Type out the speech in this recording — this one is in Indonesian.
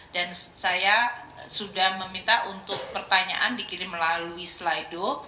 dan saya sudah meminta untuk pertanyaan dikirim melalui slido